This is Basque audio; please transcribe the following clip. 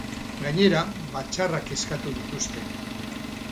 Gainera, batzarrak eskatu dituzte.